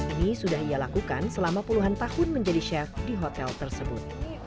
ini sudah ia lakukan selama puluhan tahun menjadi chef di hotel tersebut